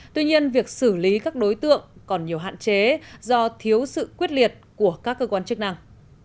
tuy nhiên việc xử lý các đối tượng còn nhiều hạn chế do thiếu sự quyết liệt của các cơ quan chức năng